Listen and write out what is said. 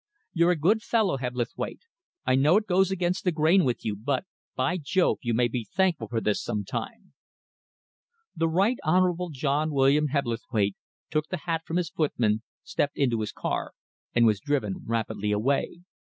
You're a good fellow, Hebblethwaite. I know it goes against the grain with you, but, by Jove, you may be thankful for this some time!" The Right Honourable John William Hebblethwaite took the hat from his footman, stepped into his car, and was driven rapidly away.